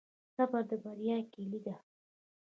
صبر د بریا کیلي ده؟